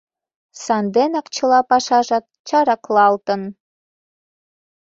Санденак чыла пашажат чараклалтын.